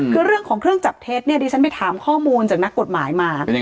คือเรื่องของเครื่องจับเท็จเนี่ยดิฉันไปถามข้อมูลจากนักกฎหมายมา